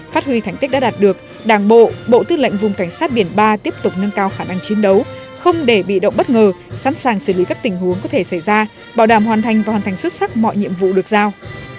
phát huy thành tích đã đạt được đảng bộ bộ tư lệnh vùng cảnh sát biển ba tiếp tục nâng cao khả năng chiến đấu không để bị động bất ngờ sẵn sàng xử lý các tình huống có thể xảy ra bảo đảm hoàn thành và hoàn thành xuất sắc mọi nhiệm vụ được giao